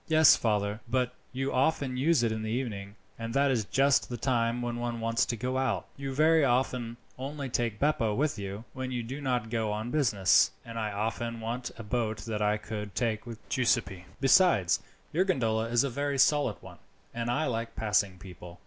"Yes, father, but you often use it in the evening, and that is just the time when one wants to go out. You very often only take Beppo with you, when you do not go on business, and I often want a boat that I could take with Giuseppi. Besides, your gondola is a very solid one, and I like passing people."